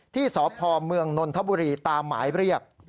ที่สพเมืองนนทบุรีตามหมายเรียก